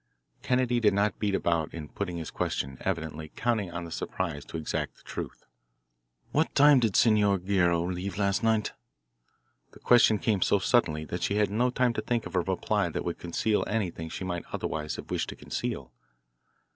Kennedy did not beat about in putting his question, evidently counting on the surprise to extract the truth. "What time did Senor Guerrero leave last night?" The question came so suddenly that she had no time to think of a reply that would conceal anything she might otherwise have wished to conceal.